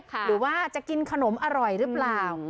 หรือว่าจะกินขนมอร่อยหรือเปล่า